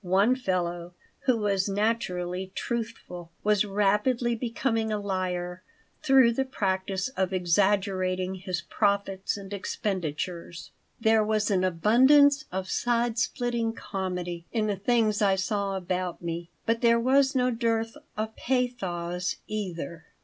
One fellow who was naturally truthful was rapidly becoming a liar through the practice of exaggerating his profits and expenditures. There was an abundance of side splitting comedy in the things I saw about me, but there was no dearth of pathos, either.